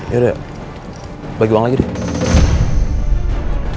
ya udah bagi uang lagi deh